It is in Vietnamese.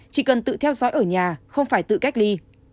chỉ cần tự theo dõi ở nhà không phải tự cách ly